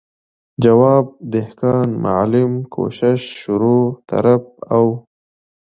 جواب، دهقان، معلم، کوشش، شروع، طرف او ...